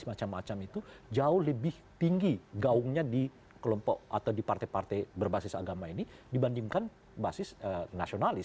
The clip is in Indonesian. macam macam itu jauh lebih tinggi gaungnya di kelompok atau di partai partai berbasis agama ini dibandingkan basis nasionalis